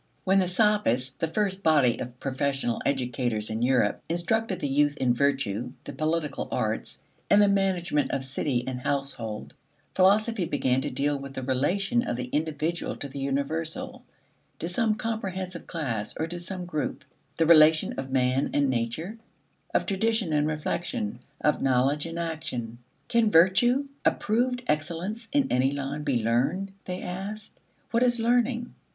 When the Sophists, the first body of professional educators in Europe, instructed the youth in virtue, the political arts, and the management of city and household, philosophy began to deal with the relation of the individual to the universal, to some comprehensive class, or to some group; the relation of man and nature, of tradition and reflection, of knowledge and action. Can virtue, approved excellence in any line, be learned, they asked? What is learning?